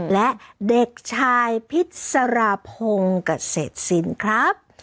และเด็กชายพิษรพงศ์เกษตรสินครับ